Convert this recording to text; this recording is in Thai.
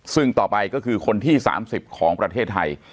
ซึ่งต่อไปก็คือคนที่๓๐ของประเทศไทย